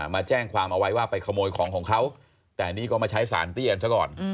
มาแจ้งความเอาไว้ว่าไปขโมยของของเขาแต่นี่ก็มาใช้สารเตี้ยนซะก่อน